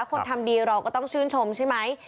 คนทำดีเราก็ต้องชื่นชมใช่ไหม